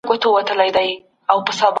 د سهار هوا به ستاسو ذهن روښانه کړي.